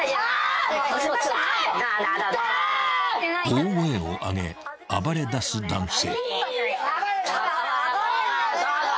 ［大声を上げ暴れだす男性］